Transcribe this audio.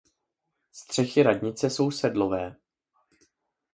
Střechy radnice jsou sedlové.